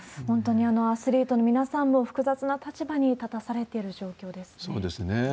本当にアスリートの皆さんも複雑な立場に立たされている状況そうですね。